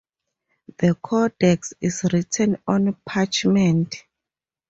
The codex is written on parchment.